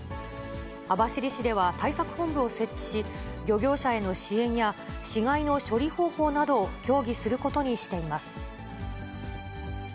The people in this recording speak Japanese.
網走市では対策本部を設置し、漁業者への支援や、死骸の処理方法などを協議することにしています。